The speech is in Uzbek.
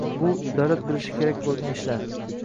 Bu – davlat qilishi kerak bo‘lgan ishlar.